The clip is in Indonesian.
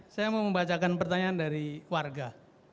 saya mau membacakan pertanyaan dari warga